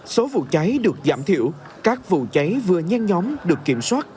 số vụ cháy được giảm thiểu các vụ cháy vừa nhanh nhóm được kiểm soát